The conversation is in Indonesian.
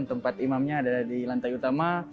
tempat imamnya ada di lantai utama